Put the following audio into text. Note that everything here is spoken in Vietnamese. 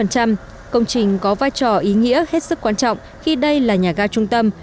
công trình có vai trò ý nghĩa hết sức quan trọng khi đây là nhà ga trung tâm